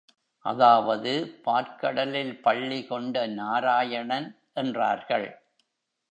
அதாவது பாற்கடலில் பள்ளி கொண்ட நாராயணன் என்றார்கள்.